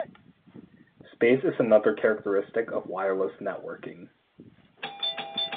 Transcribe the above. Space is another characteristic of wireless networking.